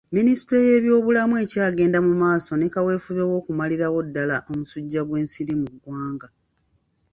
Minisitule y'ebyobulamu ekyagenda mu maaso ne kaweefube w'okumalirawo ddaala omusujja gw'ensiri mu ggwanga.